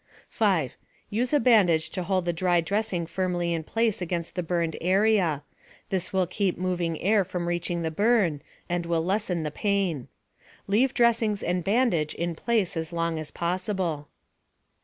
5. Use a bandage to hold the dry dressing firmly in place against the burned area. This will keep moving air from reaching the burn, and will lessen the pain. Leave dressings and bandage in place as long as possible.